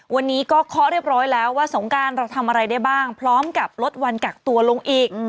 วันนี้ก็เคาะเรียบร้อยแล้วว่าสงการเราทำอะไรได้บ้างพร้อมกับลดวันกักตัวลงอีก